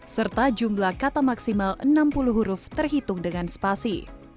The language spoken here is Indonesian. serta jumlah kata maksimal enam puluh huruf terhitung dengan spasi